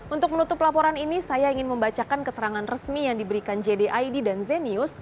untuk menutup laporan ini saya ingin membacakan keterangan resmi yang diberikan jdid dan zenius